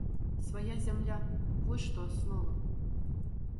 Свая зямля – вось што аснова!